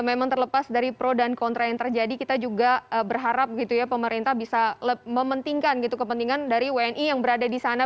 memang terlepas dari pro dan kontra yang terjadi kita juga berharap gitu ya pemerintah bisa mementingkan gitu kepentingan dari wni yang berada di sana